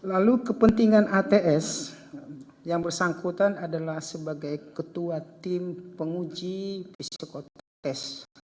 lalu kepentingan ats yang bersangkutan adalah sebagai ketua tim penguji psikotest